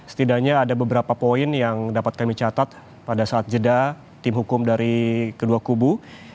setidaknya ada beberapa poin yang dapat kami catat pada saat jeda tim hukum dari kedua kubu